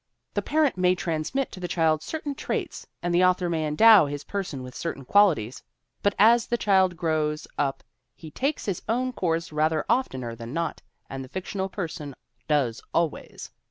The parent may transmit to the child certain traits and the author may endow his person with certain qualities; but as the child grows up he takes his own course rather oftener than not, and the fictional person does always